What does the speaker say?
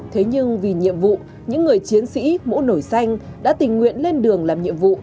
thế nhưng vì nhiệm vụ những người chiến sĩ mũ nổi xanh đã tình nguyện lên đường làm nhiệm vụ